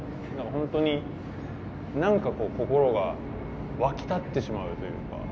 本当に何か心が沸き立ってしまうというか。